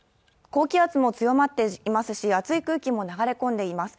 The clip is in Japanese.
高気圧も強まっていますし、暑い空気も流れ込んでいます。